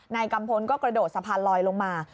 กัมพลก็กระโดดสะพานลอยลงมา